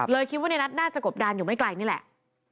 คิดว่าในนัทน่าจะกบดานอยู่ไม่ไกลนี่แหละ